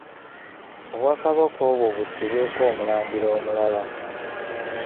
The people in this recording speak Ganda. Obwakabaka obwo bussibweko omulangira omulala.